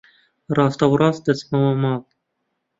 ڕاستەوڕاست دەچمەوە ماڵ.